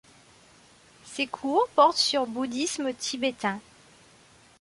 Ses cours portent sur bouddhisme tibétain.